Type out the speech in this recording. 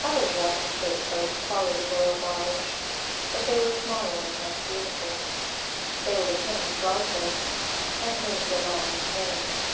Other dragon shaped boats followed the royal barge, but they were smaller and less beautiful. They were the king's guard boats, and moved along in pairs.